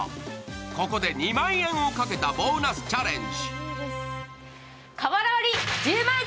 ここで２万円をかけたボーナスチャレンジ。